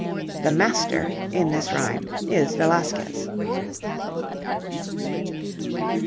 'The Master' in this rhyme is Velasquez.